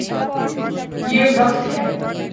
یہ وقت ہے۔